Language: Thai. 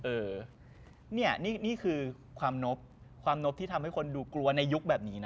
เออเนี่ยนี่คือความนบความนบที่ทำให้คนดูกลัวในยุคแบบนี้นะ